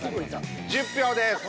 １０票です。